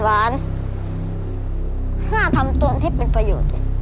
ข้าทำตัวนี้เป็นประโยชน์